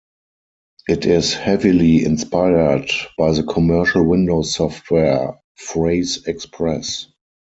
It is heavily inspired by the commercial Windows software 'PhraseExpress'.